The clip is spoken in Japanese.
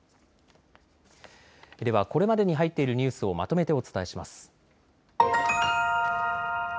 ではこれまでに入っているニュースをまとめてお伝えします。